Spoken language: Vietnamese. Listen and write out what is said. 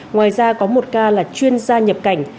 ngoài ra có một ca là chuyên gia nhập cảnh